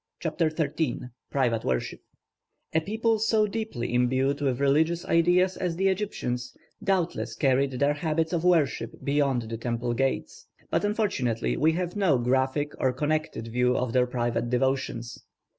CHAPTER XIII PRIVATE WORSHIP A people so deeply imbued with religious ideas as the Egyptians doubtless carried their habits of worship beyond the temple gates. But unfortunately we have no graphic or connected view of their private devotions.